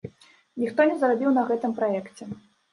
Ніхто не зарабіў на гэтым праекце.